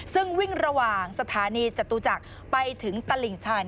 ซึ่งวิ่งระหว่างสถานีจตุจักรไปถึงตลิ่งชัน